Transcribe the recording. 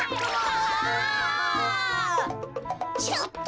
ちょっと。